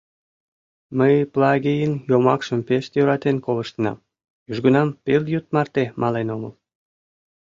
Мый Плагийын йомакшым пеш йӧратен колыштынам, южгунам пелйӱд марте мален омыл.